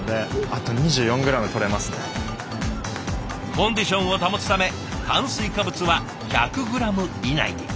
コンディションを保つため炭水化物は１００ｇ以内に。